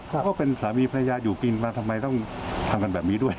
ก็เป็นสามีภรรยาอยู่กินมาทำไมต้องทำกันแบบนี้ด้วย